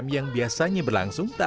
pengen nantarlah kuda